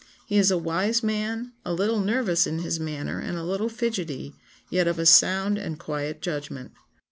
He is a wise man, a little nervous in his manner and a little fidgety, yet of a sound and quiet judgment."